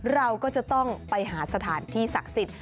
เราก็จะต้องไปหาสถานที่ศักดิ์สิทธิ์